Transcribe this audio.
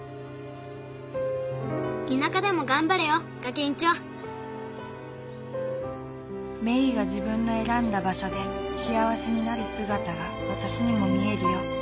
「田舎でも頑張れよガキンチョ」「メイが自分の選んだ場所で幸せになる姿がわたしにも見えるよ。